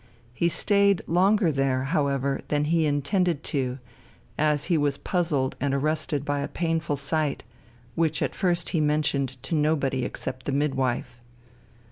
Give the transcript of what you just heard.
He stayed longer there, however, than he had intended to, as he was puzzled and arrested by a painful sight, which at first he mentioned to nobody except the midwife.